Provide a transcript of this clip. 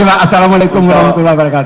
assalamu'alaikum warahmatullahi wabarakatuh